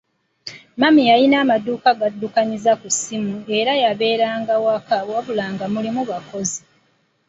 Mami yalina amaduuka g'addukanyiza ku ssimu era yabeeranga waka wabula nga mulimu bakozi.